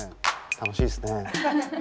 楽しいですね。